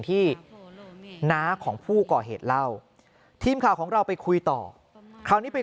น้าของผู้ก่อเหตุเล่าทีมข่าวของเราไปคุยต่อคราวนี้ไป